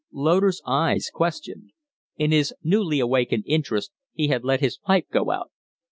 Loder's eyes questioned. In his newly awakened interest he had let his pipe go out.